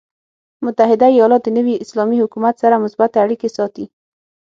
متحده ایالات د نوي اسلامي حکومت سره مثبتې اړیکې ساتي.